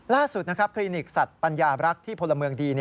ล่าสุดนะครับคลินิกสัตว์ปัญญาบรักษ์ที่พลเมืองดี